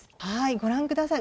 ご覧ください。